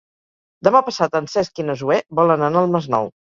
Demà passat en Cesc i na Zoè volen anar al Masnou.